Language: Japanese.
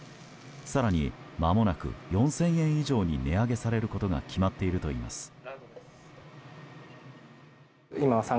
更に、間もなく４０００円以上に値上げされることが決まっているといいます。